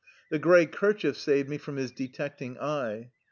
The gray kerchief saved me from his detecting eye.